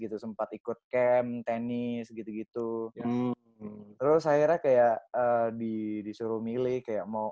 gitu sempat ikut camp tenis gitu gitu terus akhirnya kayak disuruh milih kayak mau